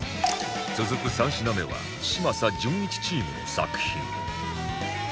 続く３品目は嶋佐じゅんいちチームの作品